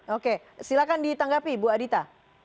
oke silakan ditanggapi bu adita